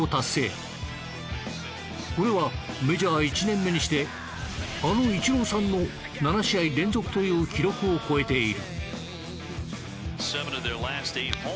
これはメジャー１年目にしてあのイチローさんの７試合連続という記録を超えている。